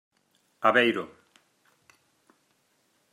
Aveiro.